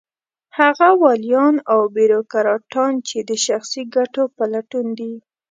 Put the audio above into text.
هغه واليان او بېروکراټان چې د شخصي ګټو په لټون دي.